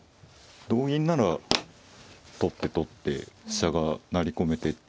同銀なら取って取って飛車が成り込めて。